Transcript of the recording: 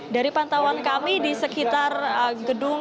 dari pantauan kami di sekitar gedung